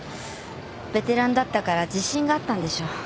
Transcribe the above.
ベテランだったから自信があったんでしょう。